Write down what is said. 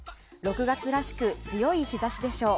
６月らしく強い日差しでしょう。